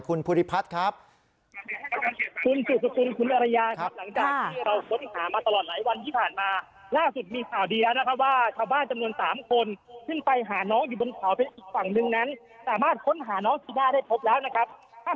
คุณพุทธิพัฒน์ครับ